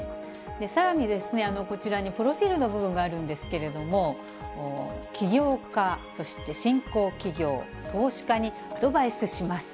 さらに、こちらにプロフィールの部分があるんですけれども、起業家、そして新興企業、投資家にアドバイスします。